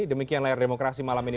demikian layar demokrasi malam ini